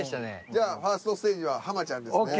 じゃファーストステージはちゃんですね。